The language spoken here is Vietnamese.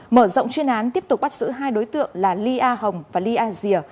mở rộng chuyên án tiếp tục bắt giữ hai đối tượng là ly a hồng và ly a dìa